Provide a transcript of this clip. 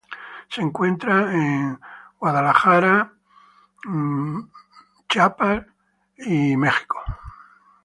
Se encuentra en Utah, Oregon y en Idaho.